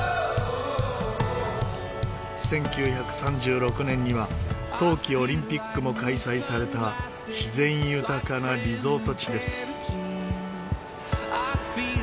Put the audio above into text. １９３６年には冬季オリンピックも開催された自然豊かなリゾート地です。